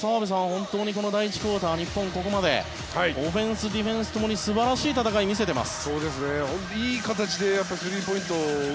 本当にこの第１クオーター日本、ここまでオフェンス、ディフェンスともに素晴らしい戦いを見せています。